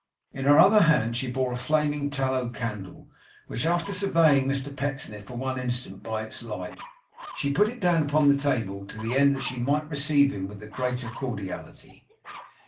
In her other hand she bore a flaming tallow candle, which, after surveying Mr Pecksniff for one instant by its light, she put down upon the table, to the end that she might receive him with the greater cordiality.